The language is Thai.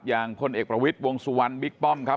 พลเอกประวิทย์วงสุวรรณบิ๊กป้อมครับ